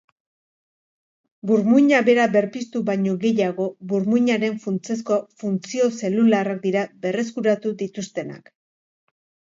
Burmuina bera berpiztu baino gehiago, burmuinaren funtsezko funtzio zelularrak dira berreskuratu dituztenak.